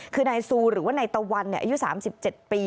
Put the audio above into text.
คือไหนซูหรือว่าไหนตวรเนี้ยอายุสามสิบเจ็ดปี